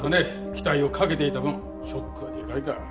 期待をかけていた分ショックはでかいか。